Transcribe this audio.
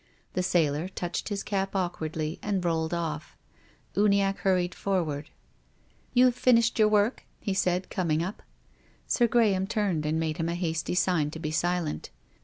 The sailor touched his cap awkwardly and rolled off. Uniacke hurried forward. " You've finished your w^ork ?" he said, coming up. Sir Graham turned and made him a hasty sign to be silent.